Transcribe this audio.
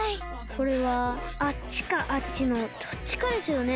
これはあっちかあっちのどっちかですよね。